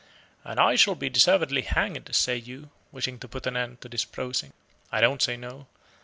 "And I shall be deservedly hanged," say you, wishing to put an end to this prosing. I don't say No.